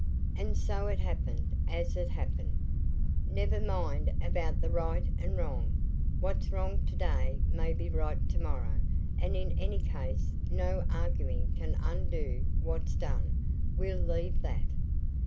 And so it happened as it happened. Never mind about the right and wrong. What's wrong today may be right tomorrow; and in any case, no arguing can undo what's done. We'll leave that."